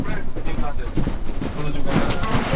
তিনি থাকিলে সমস্ত ভণ্ডুল হইয়া যাইবে।